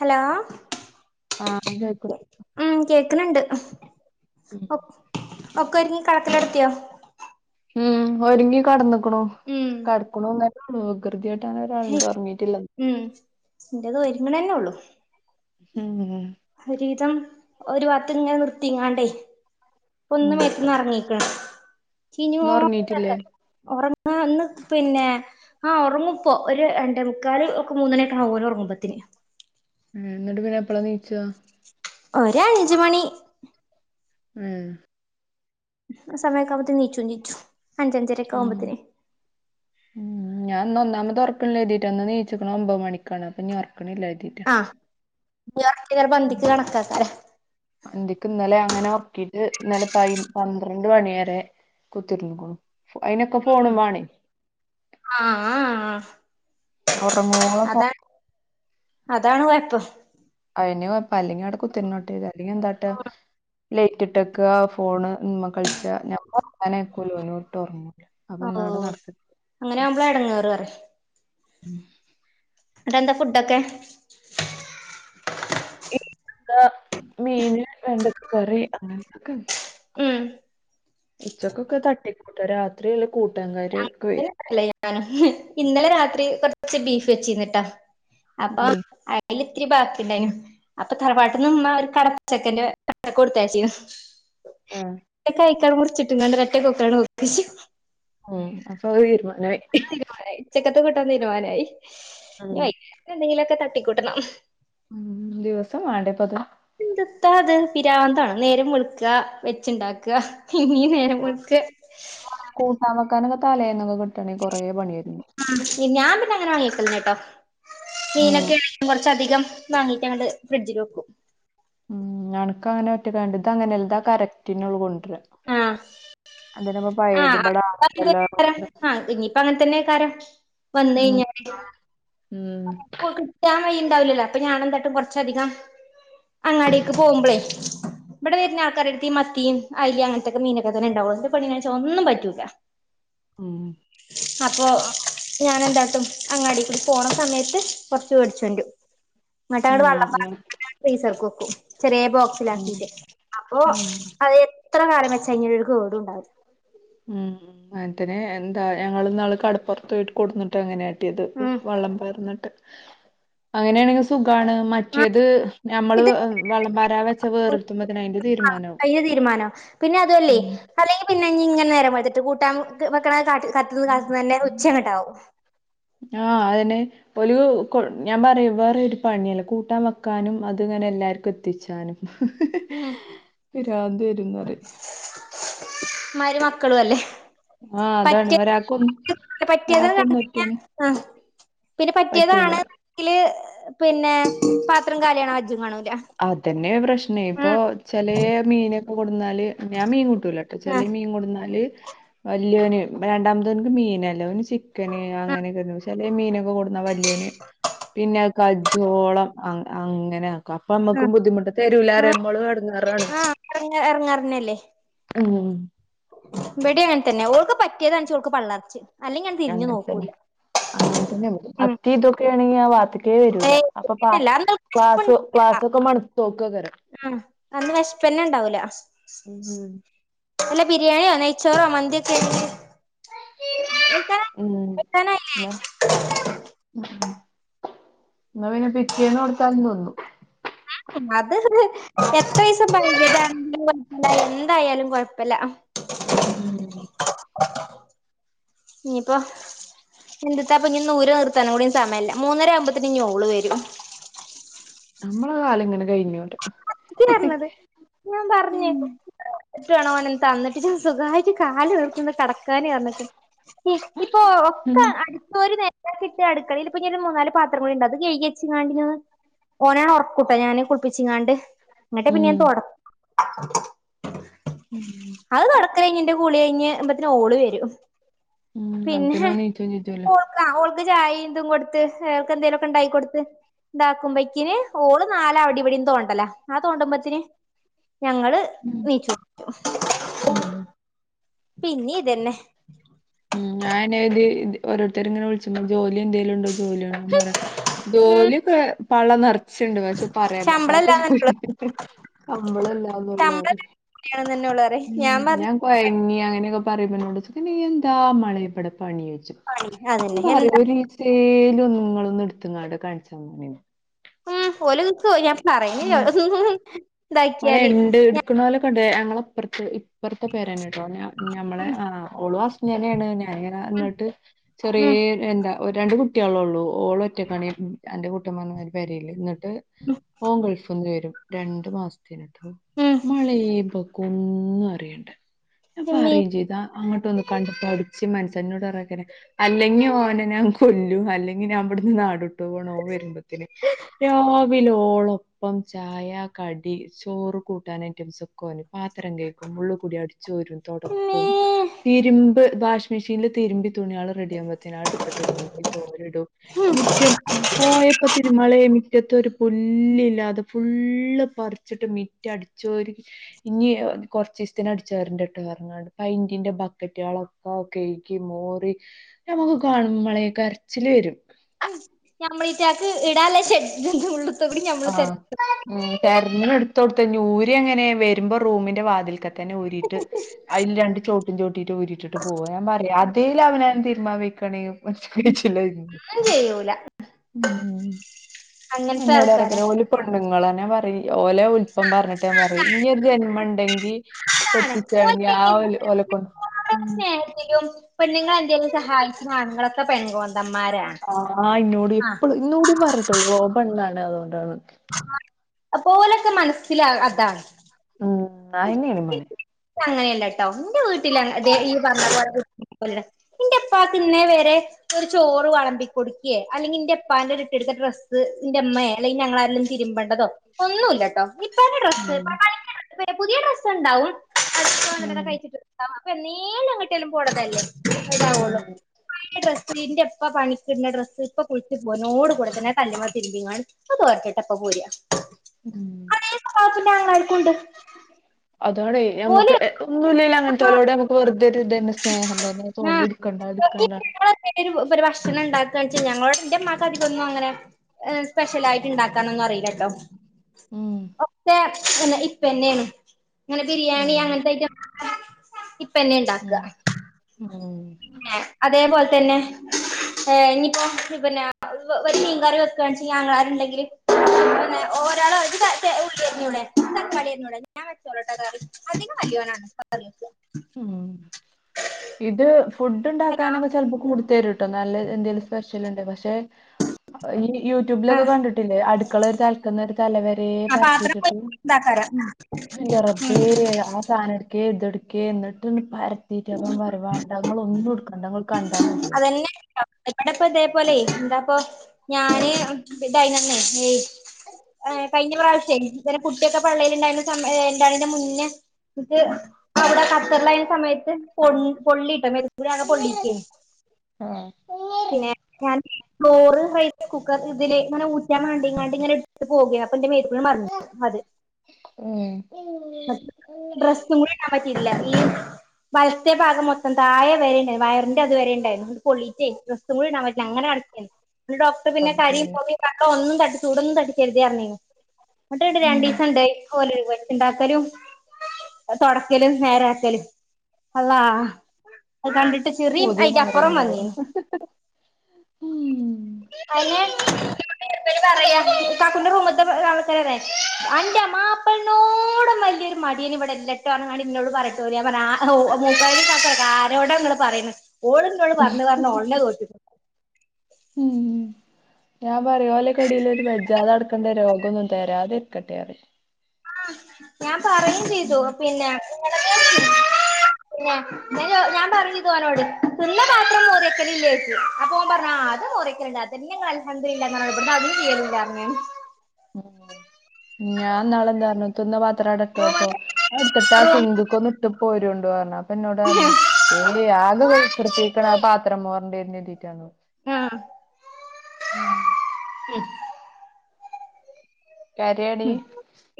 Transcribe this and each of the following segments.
Hello ആഹ് കേക്കുന്നു ഉം കേക്ക്ണ് ണ്ട് ഒ ഒക്കെ ഒരുങ്ങി കെടക്കല് നടത്തിയൊ ഉം ഒരുങ്ങി കെടന്ന്ക്കണു ഉം കെടക്കണുന്നെ വികൃതി ആയിട്ട് അങ്ങനെ ഒരാളുണ്ട് ഉറങ്ങീട്ടില്ല ഉം എന്റെത് ഒര്ങ്ങണന്നേ ഉള്ളൂ ഉം ഉം ഒരു വിധം ഒരു ഭാഗത്ത് ഇങ്ങനെ നിർത്തീങ്ങാണ്ടേ ഒന്ന് ഉം മേത്തിന്നു എറങ്ങീക്കണ് ഇന്ന് ഉറങ്ങീട്ടില്ലേ [unintelligible] അന്ന് പിന്നെ ആഹ് ഒറങ്ങുപ്പോ ഒരു രണ്ടേ മുക്കാല് ഒക്കെ മൂന്നണിയെക്കാവും ഓര് ഒറങ്ങുമ്പോത്തിന് മ്ഹ് എന്നിട്ട് പിന്നെ എപ്പള് എനീച്ചാ ഒര് അഞ്ച് മണി മ്ഹ് ആഹ് സമയൊക്ക ആകുമ്പോത്തേനും നീച്ചും എനീചിച്ചും അഞ്ചഞ്ചരേക്ക ആകുമ്പത്തേനെ ഉം ഉം ഞാൻ ഇന്ന് ഒന്നാമത് [unintelligible] ഇന്ന് എനീച്ച്ക്കണത് ഒമ്പത് മണിക്കാണ് അപ്പൊ ഇനി ഒറക്കണില്ല [unintelligible] അഹ് [unintelligible] ചെലപ്പോ അന്തിക്ക് കണക്കാക്ക അന്തിക്ക് ഇന്നലെ അങ്ങനെ ഒറക്കീട്ട് ഇന്നലെ പയ് പന്ത്രണ്ട് മണി വരെ കുത്തി ഇരിന്ന്ക്കണു ഫോ അയിനൊക്കെ ഫോണും വാണേ ആഹ് ആഹ് ഒറങ്ങൂ അതാ അതാണ് കൊയപ്പം അയിന് പ്പല്ലെങ്കിൽ അവിടെ കുത്തിരുന്നോട്ടേ ഇജ്ജ് അല്ലെങ്കിൽ എന്ത് കാട്ടാ ലൈറ്റിട്ട് വെക്ക ഫോണ് മ്മേ കളിച്ച് [unintelligible] ഞാൻ ഒറങ്ങാൻ അയക്കൂല ഓന് ഒട്ടും ഒറങ്ങൂല അപ്പൊ ഓ എന്നാ അവിടെ നടക്കുക അങ്ങനെ ആവുമ്പൊളാ എടങ്ങേറ് വെറേ അടെ എന്താ ഫുഡൊക്കെ [unintelligible] മീന് വെണ്ടക്കകറി അങ്ങനെക്ക ഇൻ മ്ഹ് ഉച്ചക്കൊക്കെ തട്ടിക്കൂട്ടലാ രാത്രിയല്ലേ കൂട്ടാൻ കാര്യ [unintelligible] ഇന്നലെ രാത്രി കൊർച്ച് ബീഫ് വെച്ചീന്നിട്ടാ അപ്പൊ ഉം അതില്ഇത്തിരി ബാക്കിണ്ടായ്നു അപ്പൊ തറവാട്ടനിന്ന്മ്മ ഒരു കടചക്കന്റെ കടച്ചക്ക കൊടുത്തയച്ചീന്നു ആഹ് തൊക്കെ അയ്ക്കാണ്ട് മൂർച്ചിട്ട്കാണ്ട് ഒറ്റ കൂക്കാണ്ട് കൂകിച്ചു ഉം. അപ്പൊ അത് തീരുമാനയി തിരുമാനായി ഉച്ചക്കത്ത് കൂട്ടാൻ തിരുമാനായി ഉം വൈകുന്നേരം എന്തെങ്കിലൊക്കെ തട്ടിക്കൂട്ടണം ഉംഹ ദിവസം വാണ്ടേപ്പത് ന്ത്ത്താത് പിരാന്താണ് നേരം വെളുക്കാ വെച്ചുണ്ടാക്കാ ഇനിയും നേരം വെളുത്ത് കൂട്ടാവെക്കാനൊക്കെ തലേന്നൊക്കെ കിട്ടണെൽ കൊറെ പണിയോതുങ്ങും ആഹ് ഞാൻ പിന്നെ അങ്ങനെ വാങ്ങി വെക്കലന്നേട്ടോ ഉം മീനൊക്കെ കൊറച്ചധികം വാങ്ങിട്ടങ്ങണ്ട് ഫ്രിഡ്ജിക്ക് വെക്കും ഉം അണ്ക്കങ്ങനെങ്ങട്ട് ഒറ്റകാണ്ട് ഇതങ്ങനല്ല ഇതാകറക്റ്റിനോൾ കൊ ണ്ട്രാ അതിന ആഹ് ആഹ് [unintelligible] ആഹ് ഇനിയിപ്പങ്ങനെ തന്നെകാരം വന്ന് ഉം കഴിഞ്ഞാല് ഉം പ്പോ കിട്ടാൻ വയിണ്ടാവില്ലല്ലോ അപ്പൊ ഞാനെന്താട്ടും കൊറച്ചധികം അങ്ങാടിക്ക് പോമ്പളേ ബടെ വരുന്ന ആൾക്കാരട്ത്ത് ഈ മത്തിയും അയലിം അങ്ങനത്തെക്കെ മീനൊക്കെ തന്നെണ്ടാവുള്ളൂ ഇ പെണ്ണിനേച്ച ഒന്നും പറ്റൂല്ല ഉം അപ്പൊ ഞാനെന്താട്ടും അങ്ങാടിക്കുടി പോണ സമയത്ത് കൊറച്ച് മേടിച്ചോണ്ട്രും ന്നിട്ടങ്ങട്ട് ഉം ഉം വള്ളംപാർന്നിട്ട് ഫ്രീസർ ക്ക് വെക്കും ചെറിയ ഉം ബോക്സിലാക്കീട്ട് അപ്പോ ഉം അത് എത്ര കാലം വെച്ചയിഞ്ഞാലും കേടും ഉണ്ടാവില്ല ഉം അങ്ങൻത്തനെ എന്താ ഞങ്ങൾന്നാള് കടപ്പുറത്ത്പോയിട്ട് കൊട്ന്നിട്ട് അങ്ങനെ ട്ടിയത് ഉം വള്ളംപാർന്നിട്ട് അങ്ങനേണെങ്കി സുഖാണ് മറ്റേത് ഞമ്മള് ഇത് വള്ളം പാരാതെ വെച്ച് വേർത്തുമ്പോതിന് അതിന്റെ തീരുമാനവും അയ്ന് തീരുമാനാവും പിന്നെ അതുല്ലേയ് അല്ലെങ്കി പിന്നെ ഇഞ്ഞി ഇങ്ങനെ നേരം വെള്ത്തിട്ട് കൂട്ടാ വെക്ക് വെക്ക്ണെ കാട്ട് കാത്തുന്ന് കാത്തുന്ന് ന്നെ ഉച്ചങ്ങട്ടാകും ആഹ് അതെന്നെ ഓല് കൊൺ ഞാൻ പറയും വേറെരു പണീല്ലാ കൂട്ടാൻ വെക്കാനും അത്ങ്ങനെ എല്ലാർക്കും എത്തിച്ചാനും ഉം പിരാന്ത് വരുംന്നറിം മ്മാരി മക്കളും അല്ലേ ആഹ് അതാണ് പറ്റ്യ ഒരാക്കൊന്ന് [unintelligible] പറ്റിയത് ഒരാക്കൊന്നും കണ്ടീനാ ഒറ്റന് പിന്നെ പറ്റൂല പറ്റിയതാണ്ങ്കില് പിന്നെ പാത്രം കാലിയാവ്ണ വജ്ജും കാണൂല അതെന്നെ പ്രശ്നേ ഇപ്പൊ ഉം ചെലേ മീനൊക്കെ കൊട്ന്നാല് ഞാൻ മീൻ കൂട്ടൂല ട്ടോ ആഹ് ചെലേ ആഹ് മീൻ കൊട്ന്നാല് വല്ല്യോന് രണ്ടാമത്തോൻക്ക് മീനല്ല ഓന് ചിക്കന് അങ്ങനെക്കെ പക്ഷേ ചെലേ മീന് ക്കോ കൊട്ന്നാ വല്ല്യോന് പിന്നെ കജോളം അങ്ങ് അങ്ങനെ പ്പ ആഹ് അമ്മക്കും ബുദ്ധിമുട്ടാ തെരുലാറയാൻ മ്മളും എടങ്ങേറാണ് ഇറങ്ങ് എറങ്ങാറന്നല്ലേ ഉം വെടിം അങ്ങൻതന്നെ ഓൾക്ക് പറ്റിയതാൺച്ചെ ഓൾക്ക് പള്ളർച്ച് അല്ലെങ്കി അങ്ങട് തിരിഞ്ഞു നോക്കൂല അങ്ങൻതന്നെ അങ്ങൻതന്നെ അത്തി ഇതൊക്കെ ആണെങ്കി ആ വാത്തക്ക് ക്കേ വരൂല ഏയ് അപ്പൊ പാ അങ്ങനല്ല അന്ന് ക്ലാസ് ക്ലാസൊക്കെ മണത്തോക്കക്കാരാം ഉം അന്ന് വെഷ്പ്പെന്നെണ്ടാവൂല ഉം ഉം വല്ലെ ബിരിയാണ്യൊ നൈയ്ച്ചോറോ മന്തിയൊക്കെണെങ്കി നീക്കടാ ഉം നീക്കാനായിലെ ഉം ന്നാ പിന്നെ പിറ്റേന്ന് കൊടുത്താലും തിന്നും അത് എത്ര ഈസം പയകിയതാണിലും കൊഴപ്പല്ല എന്തായാലും കൊഴപ്പല്ല ഉം ഇഞ്ഞിപ്പൊ എന്ത് ത്താപ്പോഞ്ഞി ന്ന് ഊരാ നീർത്താനും കൂടി സമയല്ല മൂന്നര ആവുംമ്പത്തേന് ഓള് വെരും നമ്മളെ കാലം ഇങ്ങനെ കഴിഞ്ഞോണ്ട് ക്കും [unintelligible] ഞാൻ പറഞ്ഞേ ഉം ട്ട് വേണോ ഓനൊന്ന് തന്നിട്ട് ജ്ജ് സുഖായിട്ട് കാല് നീർത്തിയോന്ന് കിടക്കാന് പറഞ്ഞ്ക്ണ് ഇ ഇപ്പൊ ഉം ഒക്കെ അടിച്ചോരി നേര ഇട്ടാകിട്ട് അടുക്കളേല് ഇപ്പൊ ഇഞ്ഞൊരു മൂന്നാല് പാത്ര കൂടിണ്ട് അത് കഴുകെച്ച്ങ്ങാണ്ട് ഞാൻ ഓനെ ഒറക്കൂട്ടെ ഞാന് കുള്പ്പിച്ചിങ്ങാണ്ട് ന്നട്ടെ ഉം പിന്നെ ഞാൻ തൊട ഉം അത് തൊടക്കലയ്ഞ്ഞ് ന്റെ കുളി കഴിഞ്ഞ് മ്പത്തിന് ഓള് വെരും ഉം. പിന്നെ അപ്പത്തിനും നീച്ചും ചെജ്ജോല്ലോ ഓൾക്കാ ഓൾക്ക് ചായിം ഇതും കൊടുത്ത് ഓർക്കെന്തേലുമൊക്കെ ണ്ടായി കൊടുത്ത് ഇണ്ടാക്കുമ്പോക്കിന് ഓള് നാല് അവിടേം ഇവിടെ തോണ്ടലാ ആ തോണ്ടുമ്പോത്തിന് ഞങ്ങള് ഉം നീച്ചും ഉം പിന്നീ ഇതെന്നെ ഉം ഞാൻത് ഓരോരുത്തര് ഇങ്ങനെ വിളിച്ചുംമ്പോ ജോലി എന്തേലും ഉണ്ടോ ജോലിയ പറയാ ഉം ജോലിക്കേ പള്ള നെർ ച്ച്ണ്ട് പക്ഷേ പറയാൻ പറ്റാത്ത ശമ്പളല്ലാന്നന്നെള്ളു ജോലിണ് ശമ്പളംല്ലാന്നൊള്ളു ന്നെന്നേള്ളൂ റിയാ ഞാൻ പറഞ്ഞ് കൊഴങ്ങി അങ്ങനെയൊക്കെ പറയുമ്പോ ഇന്നോടൊയ്ച്ചും പിന്നെ എന്താ മളേ യിബടെ പണി ഓയ്ച്ചും പണി അതന്നെ പറിം എന്താ ഒരു ഈസെലും ഒന്ന് ങ്ങളൊന്ന് ട്ത്ത്ങ്ങാണ്ട് കാണിച്ചെന്നണിം ഉ ഓല്ട്ക്കും ഞാൻ പറയ്ണില്ലത് മളെ ണ്ട് ഇട്ക്കുനോലൊക്കെണ്ട് ഞങ്ങളെ ഇപ്പൊറ്ത്ത് ഇ ഇപ്പൊറ്ത്തെ പേരന്നേ ട്ടോ ഞമ്മളെ ഉം ആ ഒളും അസ്നെന്നേണ് ഞാൻങ്ങനെ ന്ന്ട്ട് ഉം ചെറിയേ എന്താ ഒ രണ്ട് കുട്ട്യാളെള്ളു ഓൾ ഒറ്റക്കാണി അന്റെ കൂട്ടം പറഞ്ഞ മാരി പെരേല് ന്ന് ട്ട് ഉം ഓൻ ഗൾഫ്ന്ന് വെരും രണ്ടു മാസത്തിട്ടോ ഉം മളേ പൊ ഒന്നും അറിയണ്ടേ ഇമ്മേ ഞാൻപ്പൊറയും ചെയ്താ അങ്ങോട്ട ഒന്ന് കണ്ട പഠിച്ചിം മന്സ ഇനോട് പറയാകാരം അല്ലെങ്കിൽ ഓനെ ഞാൻ കൊല്ലു അല്ലെങ്കിൽ ഞാൻ അവിടുന്ന് നാട് ടും ഒന് വരുമ്പോത്തിന് രാവിലോളപ്പം ചായ കടി ചോറ് കൂട്ടാൻ ഐറ്റം സഒക്കെന് പത്രം കഴിക്കും ഉള്ള്ക്കുടി അടി ച്ചൊരും ഇമ്മേ തൊടക്കും തിരുമ്പ് വാഷിം മിഷ്നിൽ തിരുമ്പി തുണിള് റെഡിയാവുമ്പേത്തിന് അത് ടുത്തിട്ട് പോയി തോരിടും ഉം മറ്റം ഉം പോയപ്പത്തിന് മളെ മിറ്റത്ത് ഒരു പുല്ലില്ലാതെ ഫുള്ള് പറീ വെച്ചിട്ട് മിറ്റ അടിച്ചുകോരി ഇനി കൊറച്ചിസത്തിന് അടിച്ചുവരണ്ടട്ടോ പറഞ്ഞിങ്ങൻട്ട് പെയിന്റിന്റെ ബക്കറ്റള് ഒ കെയ്ക്കി മോറി നമ്മുക്ക് കാണുമ്പേ മളെക്കരച്ചില് വരും ഉ ഞമ്മളീറ്റക്ക് ഇടല്ലെ [unintelligible] ഉള്ളു ആഹ് ഉം തെരഞ്ഞ് എടുത്ത കൊടുത്ത് ഞൂര് അങ്ങനെ വരുമ്പോ റൂമിന്റെ വാതിൽക്ക തന്നെ ഊരിയിട്ട് അതില് രണ്ട് ചോട്ടും ചോട്ടിട്ട്ഊരിട്ടിട്ട് പോവാ ഞാൻ പറയാ അതേൽ അവൻ തീരുമാൻ വെക്കണേ കടച്ചിലായി ഒന്നും ചെയ്യൂല അങ്ങനത്തെ എന്നോട് ഇറക്ക ആൾക്കാരാ ഓല പെണ്ണുങ്ങൾന്നാ പറ ഓലെ ഉല്പം പറഞ്ഞിട്ട് ഞാൻ പറയും ഇനി ഒരു ജന്മ ഉണ്ടെങ്കിൽ അതാണ് കട്ടിച്ച ആണെങ്കിൽ ആ ഒരു ഒലക്കൊണ്ട് [unintelligible] പെണ്ങ്ങളെ എന്തേലും സഹായിച്ചു ആണുങ്ങൾ പെൺകോന്തന്മാരാാണ് ആ ആ ഇന്നോടി എപ്പഴും ഇന്നൂട പറഞ്ഞിട്ടുള്ളൂ ഓൺ പെണ്ണാണ് അതുകൊണ്ടാണ് അപ്പൊ ഓലൊക്കെ മനസ്സില അതാണ് ഉം [unintelligible] അങ്ങനെയല്ല ട്ടോ ന്റെ വീട്ടിൽ അതെ ഈ പറഞ്ഞപോലെ [unintelligible] എന്റെപ്പാക്ക് ഇന്നെവരെ ഒരു ചോറ് വളമ്പി കൊടുക്കിയ അല്ലെങ്കി എന്റെ അപ്പാന്റെ ഇട്ടെടുത്ത ഡ്രസ്സ് എന്റെമ്മ അല്ലെങ്ക ഞ തിരുമ്പേണ്ടതോ ഒന്നുമല്ലട്ടോ ഇപ്പന്റെ ഡ്രസ്സ്‌ ഉം പുതിയ് ഡ്രസ്സ്‌ ഉണ്ടാവും അതൊക്കെ ഉം കഴിച്ചിട്ട്ണ്ടാവും അപ്പൊ എന്നേലും അങ്ങോട്ടിയാലും പോണതല്ലേ ഉം [unintelligible] ഡ്രസ്സ് ഇന്റെ എപ്പ പണിക്കിടുന്ന ഡ്രസ്സ് ഇപ്പൊ കുളിച്ച് പോട് കൂടെ തന്നെ കല്ലമ്മ തിരുമ്പിങ്ങാണ്ട് അത് അക്കട്ടപ്പ പോര്യാ ഉം ഇപ്പൊ അത് എന്റാങ്ങളാർക്കും ഉണ്ട് അതോടെ നമുക്ക് ഓല് ഒന്നും ഇല്ല അങ്ങനത്തലോടെ നമുക്ക് വെറുതെ ഇതന്നെ സ്നേഹം തന്നെ ഫോൺ ആഹ് എടുക്കണ്ട എടുക്കണ്ട ഒരു ഭക്ഷണം ഉണ്ടാക്കുകെച്ചാൽ ഞങ്ങളോടെ എന്റെ മക്ക അതി തന്നു അങ്ങനെ സ്പെഷ്യൽ ആയിട്ട്ണ്ടാക്കാനൊന്നും അറിയില്ലട്ടോ ഉം എന്നെ ഇപ്പന്നെയാണ് ഇങ്ങനെ ബിരിയാണി ഉം അങ്ങനത്തെ റ്റം ഇപ്പന്നെ ഉണ്ട ഉം ഉം അതേപോൽ തന്നെ ഇനിയിപ്പോ പിന്നെ ഒരു മീൻകറി വെക്കുകയാണെങ്കി ഞങ്ങളാരുണ്ടെങ്കില് ഓരാള അത് ഉള്ളി അരിഞ്ഞൂടെ തക്കാളി അരിഞ്ഞൂടെ ഞാൻ വെച്ചോളോട്ട കറി അധികം വല്യോനാണ് കറി ഉം ഇത് ഫുഡ് ഹലോ ഉണ്ടാക്കാനൊക്കെ ചിലപ്പോ കൂടുത്തരു കേട്ട നല്ല എന്തെലും സ്പെഷ്യൽ ഉണ്ട്‌ പക്ഷെ ആ യൂട്യൂബിലൊക്കെ കണ്ടിട്ടില്ലേ അടുക്കള ഒരു തൽക്കുന്ന ഒരു തലവര ആ പാത്രം പരത്തിയിട്ടിട്ട് [unintelligible] എ്ന്റെ ഉം റബേ ആ സാധന എടുക്ക ഇതെടുക്ക എന്നിട്ട് അപ്പം വരവാണ്ടങ്കങ്ങള ഒന്നും എടുക്കാണ്ടൾ കണ്ടാൽ മതി പറയും. അതെല്ലാം [unintelligible] ഇവിടിപ്പോ ഇതേപോലെ എന്താപ്പൊ ഞാന് ഇതന്നെ ഏയ് ഏ കഴിഞ്ഞ പ്രാവശ്യം ഇ കുട്ടിയൊക്കെ പള്ളയില ഉണ്ടായിരുന്ന സമായഎന്താണ്ന്റെ മുന്നേ ഇക്ക് അവിടെ കത്തറിലായിരുന്ന സമയത്ത് പൊ പൊള്ളിയിട്ട മ കൂടി ആണ് പൊള്ളിക്ക ആഹ പിന്നെ ഞാൻ ചോറ് റൈസ് കുക്കർ ഇതില് ഇങ്ങനെ ഊറ്റാൻവേണ്ടിങ്ങ ഇങ്ങനെ പോകയ അന്റെ മറിഞ്ഞു അത് ഡ്രസ് ഡ്രസ്സ് കൂടി ട്ക്കാൻ പറ്റീട്ട് [unintelligible] ല്ല വലത്തെ ഭാഗം മൊത്തം തായെ വരേ ണ്ടായ് ന് വയറിന് ന്റെ അതുവരെ ഉണ്ടായിരുന്നു ങ്ങണ്ട് പൊള്ളീറ്റെയ് ഡ്രസ്സ് കൂടി ടാൻ പറ്റില്ല അങ്ങനെ നടക്കെയ്ന് ന്ന്ട്ട് ഡോക്ടർ പിന്നെ റബ്ബേ കരിം പൊകേം ക്ക ഒന്നും തട്ടി ചൂടന്നും തട്ടച്ചര്ത്ർഞ്ഞയ്ന് ന്നിട്ട് ണ്ട് ഉം. രണ്ടീസം ണ്ടായി ഓല് [unintelligible] ണ്ടാക്കലും അത് തൊട്ക്കലും നേരാക്കലും അള്ളാ അത് കണ്ടിട്ട്സ് പൂതി മാറീട്ട്ണ്ടാവും ഉം [unintelligible] കാക്കൂന്റെ റൂമ്ത്തെ [unintelligible] അന്റെ മാപ്പൾനോടം വല്ല്യരു മടിയൻ ഇവിടെല്ല പർഞ്ങ്ങാണ്ട് ന്നോട് പറയു ട്ടോ ഞാൻ പർഞ്ഞു ആ മൂപ്പായിരും കാക്കു ആരോട ങ്ങള് പറയുന്നത് ഓള് ന്നോട് പർഞ് പർഞ് ഓളെന്നെ തോറ്റ്ക്ക്ണു ഉം ഉം ഞാൻ പറിം ഓലെക്കെടീല് ഒരു വെജ്ജാതെട് ക്ക്ണ്ട രോഗന്നും തരാതിര്ക്കട്ടെറി ആ ഞാൻ പറയിം ചെയ്തു ഉം. പിന്നെ ഇങ്ങളെന്നെ പിന്നെ ഞാൻ ചോ ഞാൻ പറിം ചെയ്തു ഓനോട് തിന്ന പാത്രം മോറിക്കല് ല്ല്യേയ്ച്ചു അപ്പൊ ഓൻ പറഞ്ഞു ആ അത് മോറിക്കല്ണ്ട് തന്നെ അൽഹംദുലില്ലാഹ് [unintelligible] ഉം ഞാൻ ന്നാള് എന്തർഞ്ഞു തിന്ന പാത്രം അവ്ടെട്ട് പോയ്പ്പൊ റൂമ് അത് ട്ത്തിട്ട് ആ റൂം സിങ്ക്ക്കൊന്ന് ട്ട് പോരോണ്ടുർഞ് അപ്പ ന്നോടർഞ്ഞുയ് ഏയ് ആകെ [unintelligible] ആ പാത്രം മോറണ്ടിരും ന്നെര്തീട്ടാണ് ആ ഉം കരിയടീ ഉം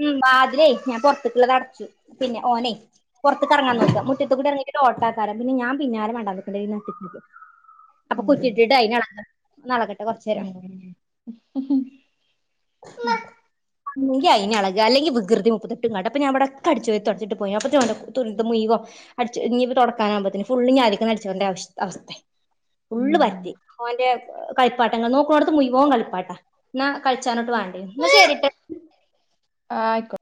ഉം വാതിലേ ഞാൻ പുറത്തേക്കുള്ളത് അടച്ചു പിന്നെ ഓനെയ് പൊർത്ത്ക്ക് എർങ്ങാൻ ആഹ് നോക്ക മുറ്റത്ത് കൂടറങ്ങി ഓട്ടാക്കാരം പിന്നെ ഞാൻ പിന്നാല മണ്ടാൻ നിക്കണ്ടിരും ഈ നട്ടുച്ചക്ക് അപ്പൊ ഉം കുറ്റിട്ടിട്ട് അയ്നെൾകാണ് ഒന്നളകട്ടെ കൊർച്ചേരം ഉം ങ്കി അയ്ന് എള്ക അല്ലെങ്കി വികൃതി മുപ്പത്തെട്ടും കാട്ട പ്പ ഞാൻവിടെക്കെ അട്ച്ച് വാരി തൊട്ച്ചിട്ട് പോയ അപ്പത്തിന് ഓൻ കണ്ട തുര്ത് മുഴുവൻ അട്ച്ചു ഞ്ഞി പ്പ തുടക്കാനാകുമ്പോത്തന് ഫുള്ള് ഞ്ഞി ആദിക്കന്ന് അട് ച്ച് വാരന്റെ അവഷ് അവസ്ഥേ ഫുള്ള് പെരത്തി ഓൻന്റെ കളിപ്പാട്ടങ്ങൾ നോക്ക്ണോട്ത്ത് മുൻുവോൻ കളിപ്പാട്ടാ ന്നാ കള്ച്ചാനോട്ട് വേണ്ടേനും ന്നാ ശരിട്ട ആ അയ്ക്കോട്